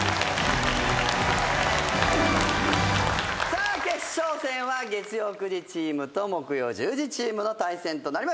さあ決勝戦は月曜９時チームと木曜１０時チームの対戦となります。